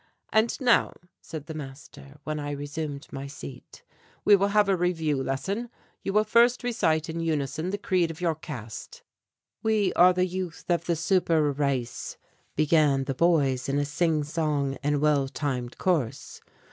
"And now," said the master, when I resumed my seat, "we will have a review lesson. You will first recite in unison the creed of your caste." "We are youth of the super race," began the boys in a sing song and well timed chorus.